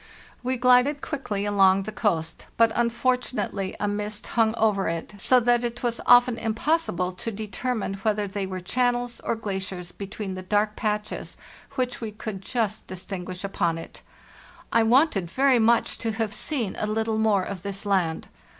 We glided quickly on along the coast, but unfortu nately a mist hung over it, so that it was often impossible glaciers be to determine whether they were channels or tween the dark patches which we could just distinguish upon it. I wanted very much to have seen a little more of this land.